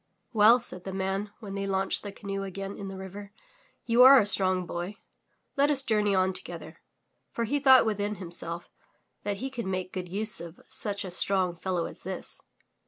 "Well,'' said the man when they launched the canoe again in the river, '*you are a strong boy. Let us journey on together/' For he thought within himself that he could make good use of such a strong fellow as this.